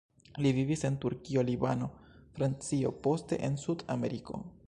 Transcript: Li vivis en Turkio, Libano, Francio, poste en Sud-Ameriko.